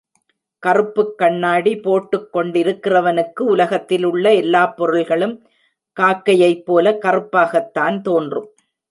கறுப்புக் கண்ணாடி போட்டுக் கொண்டிருக்கிறவனுக்கு உலகத்திலுள்ள எல்லாப் பொருள்களும் காக்கையைப் போலக் கறுப்பாகத்தான் தோன்றும்.